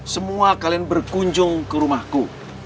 semua kalian berkunjung ke rumahku